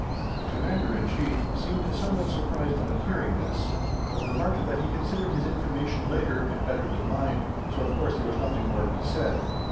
The Commander in Chief seemed somewhat surprised on hearing this, but remarked that he considered his information later and better than mine, so of course there was nothing more to be said.